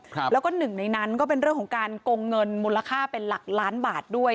ครับแล้วก็หนึ่งในนั้นก็เป็นเรื่องของการโกงเงินมูลค่าเป็นหลักล้านบาทด้วย